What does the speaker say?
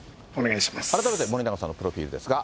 改めて森永さんのプロフィールですが。